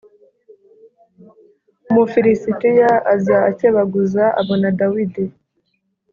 Umufilisitiya aza akebaguza abona Dawidi